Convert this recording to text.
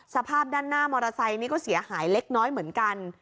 สภาพด้านหน้ามอเตอร์ไซค์นี่ก็เสียหายเล็กน้อยเหมือนกัน